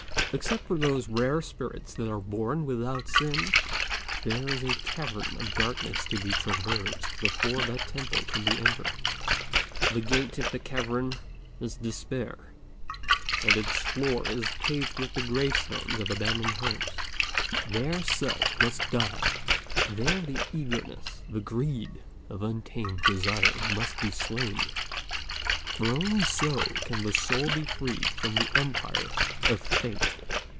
Except for those rare spirits that are born without sin, there is a cavern of darkness to be traversed before that temple can be entered. The gate of the cavern is despair, and its floor is paved with the gravestones of abandoned hopes. There Self must die; there the eagerness, the greed of untamed desire must be slain, for only so can the soul be freed from the empire of Fate.